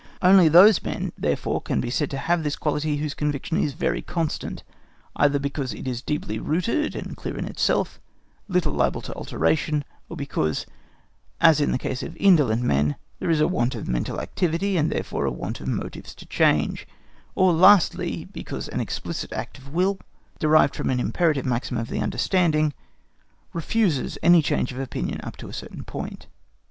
Only those men, therefore, can be said to have this quality whose conviction is very constant, either because it is deeply rooted and clear in itself, little liable to alteration, or because, as in the case of indolent men, there is a want of mental activity, and therefore a want of motives to change; or lastly, because an explicit act of the will, derived from an imperative maxim of the understanding, refuses any change of opinion up to a certain point.